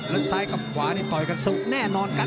แล้วซ้ายกับขวานี่ต่อยกันสุกแน่นอนกัน